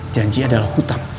janji adalah hutang